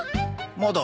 まだ。